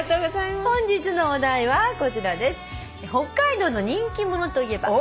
本日のお題はこちらです。